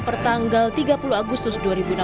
pertanggal tiga puluh agustus dua ribu enam belas